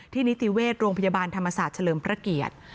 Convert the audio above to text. นิติเวชโรงพยาบาลธรรมศาสตร์เฉลิมพระเกียรติ